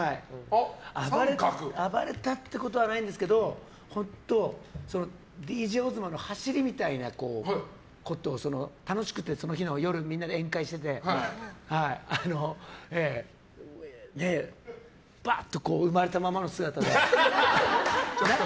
暴れたってことはないんですけどＤＪＯＺＭＡの走りみたいなことを楽しくて、その日の夜みんなで宴会をしていてバーっと生れたままの姿で。